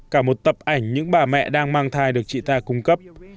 cả một tập ảnh những bà mẹ đang mang thai được chị ta cung cấp